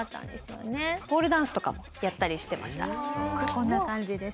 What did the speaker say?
こんな感じです。